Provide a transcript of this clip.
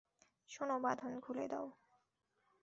শোনো, বাঁধন খুলে দাও।